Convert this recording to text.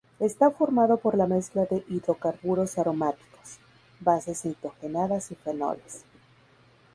Está formado por la mezcla de hidrocarburos aromáticos, bases nitrogenadas y fenoles.